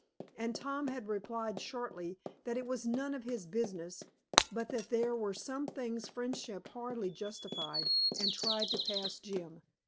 And Tom had replied shortly that it was none of his business, but that there were some things friendship hardly justified, and tried to pass Jim.